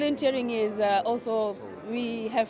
penggunaan juga kita bersama sama bersama sama